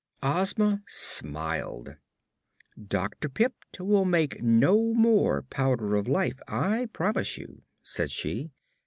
Ozma smiled. "Dr. Pipt will make no more Powder of Life, I promise you," said she.